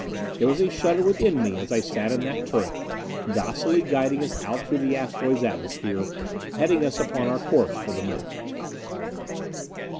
There was a shudder within me as I sat in that turret, docilely guiding us out through the asteroid's atmosphere, heading us upon our course for the Moon.